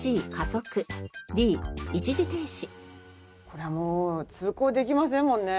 これもう通行できませんもんね。